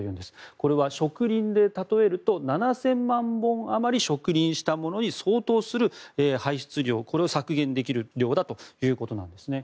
これは植林で例えると７０００万本余り植林したものに相当する排出量これが削減できる量だということです。